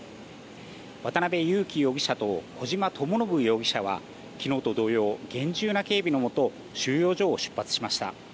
渡辺優樹容疑者と小島智信容疑者は昨日と同様、厳重な警備のもと収容所を出発しました。